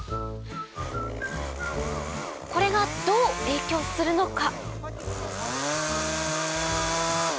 これがどう影響するのか？